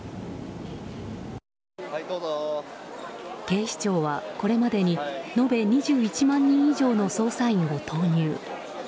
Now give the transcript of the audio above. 警視庁は、これまでに延べ２１万人以上の捜査員を投入。